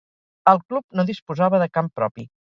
El club no disposava de camp propi.